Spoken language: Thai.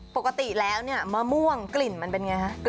ปกติแล้วมะม่วงกลิ่นมันเป็นอย่างไร